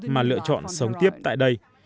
mà lựa chọn sống tiếp tại đây